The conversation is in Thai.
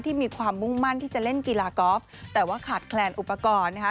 มีความมุ่งมั่นที่จะเล่นกีฬากอล์ฟแต่ว่าขาดแคลนอุปกรณ์นะคะ